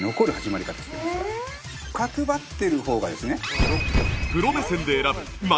角張ってる方がですね。